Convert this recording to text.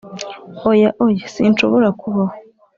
oya oya, sinshobora kubaho